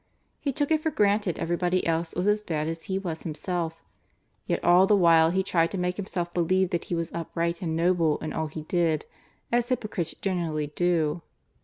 He took it for granted everybody else was as bad as he was himself, yet all the while he tried to make himself believe that he was upright and noble in all he did, as hypocrites generally do.